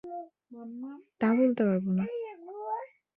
তা বলতে পারব না!